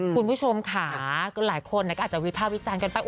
คุณผู้ชมค่ะหลายคนก็อาจจะวิภาควิจารณ์กันไป